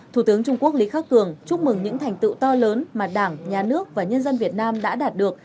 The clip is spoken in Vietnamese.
thủ tướng trung quốc lý khắc cường chúc mừng những thành tựu to lớn mà đảng nhà nước và nhân dân việt nam đã đạt được